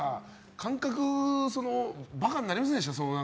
感覚が馬鹿になりませんでした？